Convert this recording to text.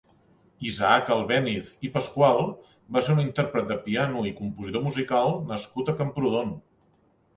Isaac Albéniz i Pascual va ser un intèrpret de piano i compositor musical nascut a Camprodon.